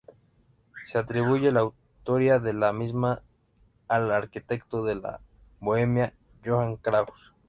Se atribuye la autoría de la misma al arquitecto de la Bohemia, Johann Krauss.